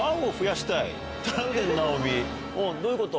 どういうこと？